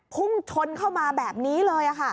พุ่งชนเข้ามาแบบนี้เลย